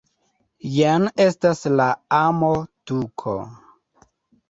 Jen estas la amo-tuko